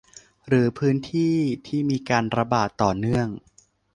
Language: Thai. หรือพื้นที่ที่มีการระบาดต่อเนื่อง